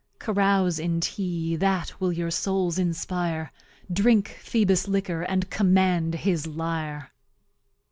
Carouse in Tea, that will your Souls inspire; Drink Phoebus's liquor and command his Lyre.